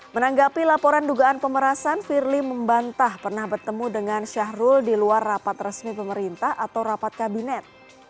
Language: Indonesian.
menanggapi laporan dugaan pemerasan firly membantah pernah bertemu dengan syahrul di luar rapat resmi pemerintah atau rapat kabinet